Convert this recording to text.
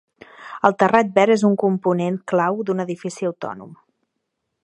Un terrat verd és un component clau d'un edifici autònom.